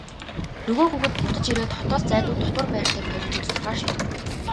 Нөгөө хүүхэд буцаж ирээд хотоос зайдуу дотуур байртай коллежид сурахаар шийдэв.